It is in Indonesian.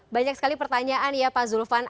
banyak sekali pertanyaan ya pak zulfan